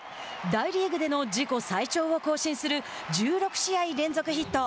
大リーグでの自己最長を更新する１６試合連続ヒット。